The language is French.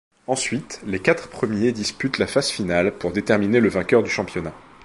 Ensuite, les quatre premiers disputent la phase finale pour déterminer le vainqueur du championnat.